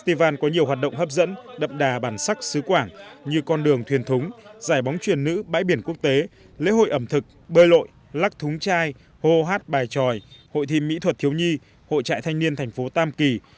thái văn có nhiều hoạt động hấp dẫn đậm đà bản sắc xứ quảng như con đường thuyền thúng giải bóng truyền nữ bãi biển quốc tế lễ hội ẩm thực bơi lội lắc thúng chai hô hát bài tròi hội thi mỹ thuật thiếu nhi hội trại thanh niên thành phố tam kỳ